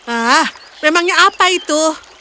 ah memangnya apa itu